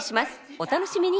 お楽しみに！